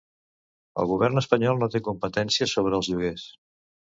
El govern espanyol no té competència sobre els lloguers